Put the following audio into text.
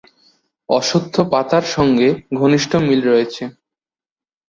অশ্বত্থ পাতার সঙ্গে ঘনিষ্ঠ মিল রয়েছে।